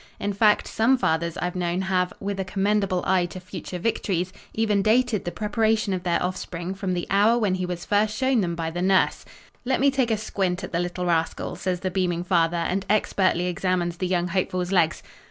In fact, some fathers I've known have, with a commendable eye to future victories, even dated the preparation of their offspring from the hour when he was first shown them by the nurse: "Let me take a squint at the little rascal," says the beaming father and expertly examines the young hopeful's legs.